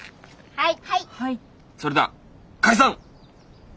はい！